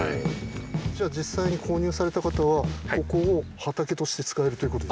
じゃあ実際に購入された方はここを畑として使えるということですか？